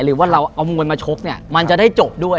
หรือว่าเราเอามวยมาชกเนี่ยมันจะได้จบด้วย